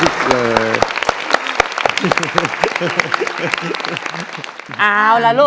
ลูกจะร้องเพลงแล้ว